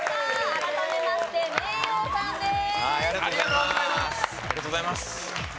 改めましてｍｅｉｙｏさんです。